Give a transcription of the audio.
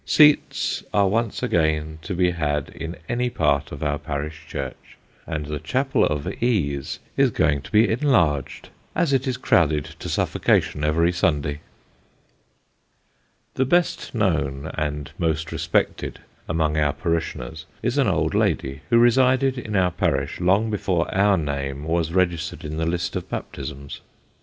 Seats are once again to be had in any part of our parish church, and the chapel of ease is going to be enlarged, as it is crowded to suffocation every Sunday ! The best known and most respected among our parishioners, is an old lady, who resided in our parish long before our name was registered in the list of baptisms.